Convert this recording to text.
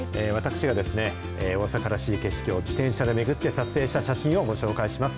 私が大阪らしい景色を自転車で巡って撮影した写真をご紹介します。